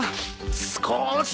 少し！